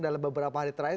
dalam beberapa hari terakhir